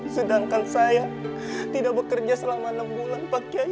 sedangkan saya tidak bekerja selama enam bulan pak kiai